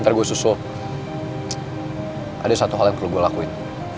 terus ada satu hal yang perlu gue lakuin